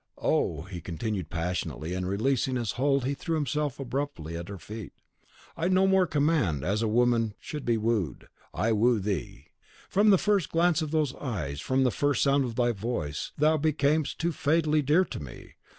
Oh!" he continued passionately, and, releasing his hold, he threw himself abruptly at her feet, "I no more command, as woman should be wooed, I woo thee. From the first glance of those eyes, from the first sound of thy voice, thou becamest too fatally dear to me.